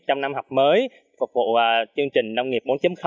trong năm học mới phục vụ chương trình nông nghiệp bốn